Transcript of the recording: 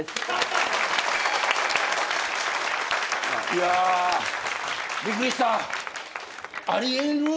いやびっくりした。